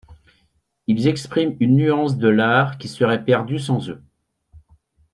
Ils expriment une nuance de l’art qui serait perdue sans eux.